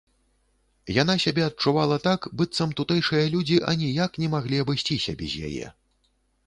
Яна сябе адчувала так, быццам тутэйшыя людзі аніяк не маглі абысціся без яе.